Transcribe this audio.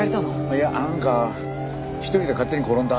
いやなんか一人で勝手に転んだ。